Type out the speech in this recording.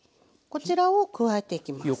こちらを加えていきます。